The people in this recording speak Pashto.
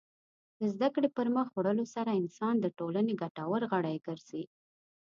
د زدهکړې پرمخ وړلو سره انسان د ټولنې ګټور غړی ګرځي.